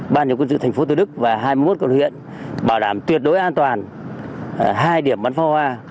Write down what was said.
ban nhập quân sự thành phố từ đức và hai mươi một cầu huyện bảo đảm tuyệt đối an toàn hai điểm bắn phóng hoa